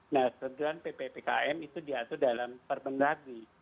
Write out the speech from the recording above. nah sejujurnya ppkm itu diatur dalam perbendadi